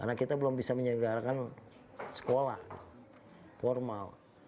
karena kami belum bisa menyelenggarakan sekolah formal